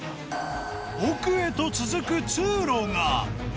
奥へと続く通路が。